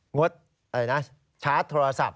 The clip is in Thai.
งดชาร์จโทรศัพท์